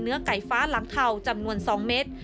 เนื้อไก่ฟ้าหลังเถาจำนวน๒เมตร